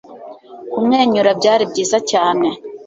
kumwenyura byari byiza cyane